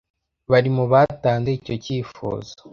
Bari mu batanze icyo cyifuzo